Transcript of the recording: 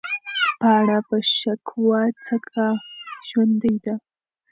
پاڼه مه شکوه ځکه ژوندۍ ده.